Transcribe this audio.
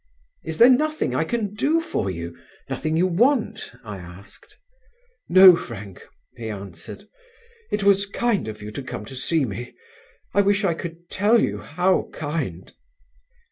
"Is there nothing I can do for you, nothing you want?" I asked. "No, Frank," he answered, "it was kind of you to come to see me, I wish I could tell you how kind."